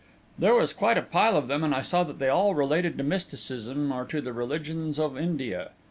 There was quite a pile of them, and I saw that they all related to mysticism or to the religions of India.